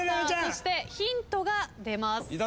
そしてヒントが出ます。